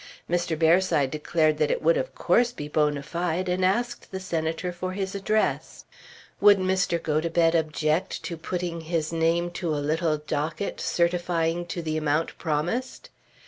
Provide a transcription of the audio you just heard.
Mr. Bearside declared that it would of course be bonâ fide, and asked the Senator for his address. Would Mr. Gotobed object to putting his name to a little docket certifying to the amount promised?